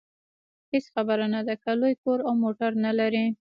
هېڅ خبره نه ده که لوی کور او موټر نلرئ.